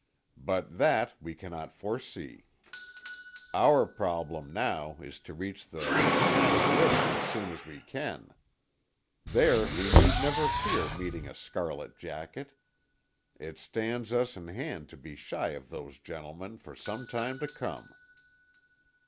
But that we cannot foresee. Our problem, now, is to reach the Sicannie River as soon as we can. There we need never fear meeting a scarlet jacket. It stands us in hand to be shy of those gentlemen, for some time to come."